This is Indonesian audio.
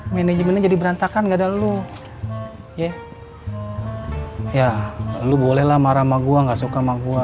manajemennya jadi berantakan gak ada lo ya ya kamu bolehlah marah ma gua gak suka maguwa